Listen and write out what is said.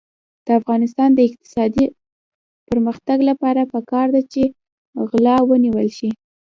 د افغانستان د اقتصادي پرمختګ لپاره پکار ده چې غلا ونیول شي.